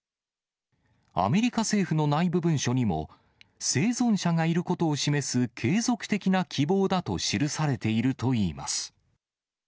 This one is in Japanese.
アメリカ政府の内部文書にも、生存者がいることを示す継続的な希望だと記されているといいます。